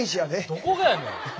どこがやねん。